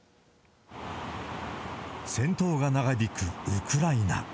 戦闘が長引くウクライナ。